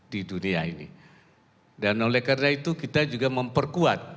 di dunia ini dan oleh karena itu kita juga memperkuat